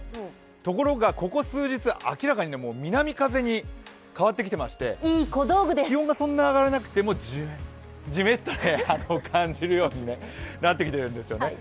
ところがここ数日、明らかに南風に変わってきてまして気温がそんな上がらなくてもじめっと感じるようになってきているんですよね。